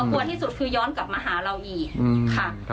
กลัวที่สุดคือย้อนกลับมาหาเราอีกค่ะ